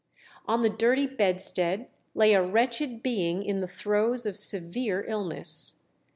On the dirty bedstead lay a wretched being in the throes of severe illness.